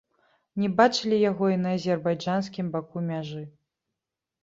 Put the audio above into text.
Не бачылі яго і на азербайджанскім баку мяжы.